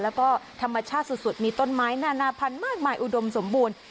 แล้วก็ธรรมชาติสุดมีต้นไม้นานาพันธุ์มากมายอุดมสมบูรณ์